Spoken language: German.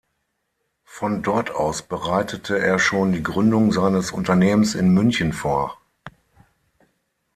Von dort aus bereitete er schon die Gründung seines Unternehmens in München vor.